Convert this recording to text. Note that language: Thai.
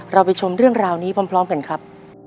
เราไปชมเรื่องราวนี้พร้อมกันครับ